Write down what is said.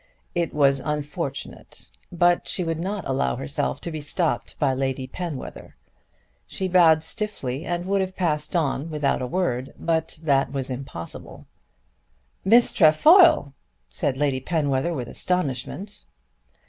It was unfortunate; but she would not allow herself to be stopped by Lady Penwether. She bowed stiffly and would have passed on without a word, but that was impossible. "Miss Trefoil!" said Lady Penwether with astonishment.